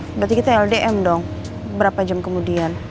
berarti kita ldm dong berapa jam kemudian